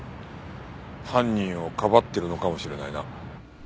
犯人をかばっているのかもしれないな。